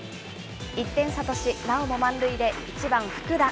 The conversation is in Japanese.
１点差とし、なおも満塁で１番福田。